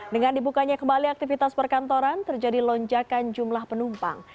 dengan dibukanya kembali aktivitas perkantoran terjadi lonjakan jumlah penumpang